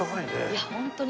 いやホントに。